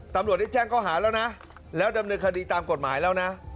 ตำรวจได้แจ้งข้อหาแล้วนะแล้วดำเนินคดีตามกฎหมายแล้วนะ